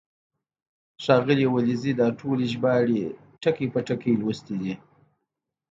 ښاغلي ولیزي دا ټولې ژباړې ټکی په ټکی لوستې دي.